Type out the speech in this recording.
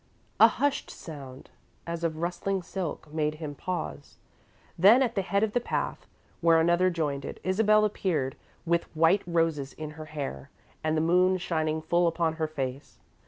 A hushed sound, as of rustling silk, made him pause, then, at the head of the path, where another joined it, Isabel appeared, with white roses in her hair and the moon shining full upon her face.